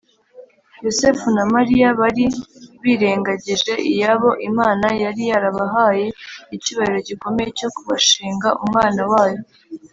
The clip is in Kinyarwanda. ;Yosefu na Mariya bari birengagije iyabo. Imana yari yarabahaye icyubahiro gikomeye cyo kubashinga Umwana Wayo